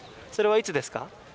それはいつですか？